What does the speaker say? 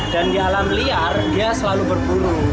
dan di alam liar dia selalu berbunuh